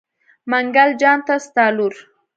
منګل جان ته ستا لور.